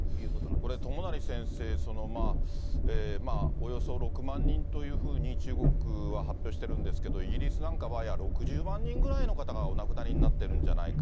これ、友成先生、およそ６万人というふうに、中国は発表してるんですけど、イギリスなんかは、いや、６０万人ぐらいの方がお亡くなりになってるんじゃないか。